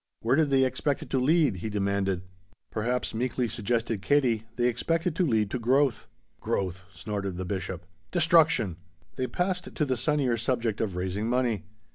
Where did they expect it to lead? he demanded. "Perhaps," meekly suggested Katie, "they expect it to lead to growth." "Growth!" snorted the Bishop. "Destruction!" They passed to the sunnier subject of raising money.